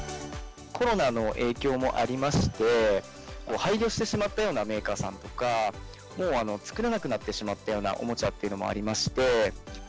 コロナの影響もありまして、廃業してしまったようなメーカーさんとか、もう作れなくなってしまったようなおもちゃもありまして。